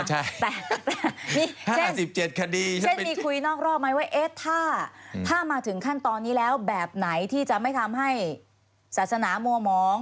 แต่เช่นมีคุยนอกรอบไหมว่าถ้ามาถึงขั้นตอนนี้แล้วแบบไหนที่จะไม่ทำให้ศาสนามวมอง